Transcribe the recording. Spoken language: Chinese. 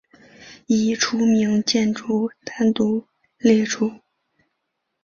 已除名建筑单独列出。